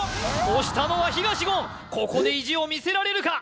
押したのは東言ここで意地を見せられるか？